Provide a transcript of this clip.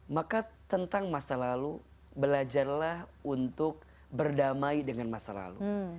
maka tentang masa lalu belajarlah untuk berdamai dengan masa lalu